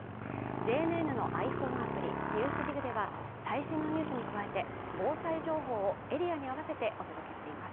ＪＮＮのｉＰｈｏｎｅアプリ「ＮＥＷＳＤＩＧ」では最新のニュースに加えて防災情報をエリアに合わせてお届けしています